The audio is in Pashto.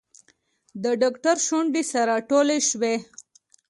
د ډاکتر شونډې سره ټولې شوې.